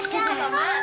ya apa emak